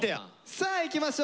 さあいきましょう。